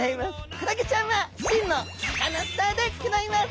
クラゲちゃんは真のサカナスターでギョざいます！